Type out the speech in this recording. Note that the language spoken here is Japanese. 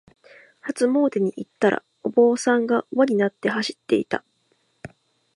初詣に行ったら、お坊さんが輪になって走っていた。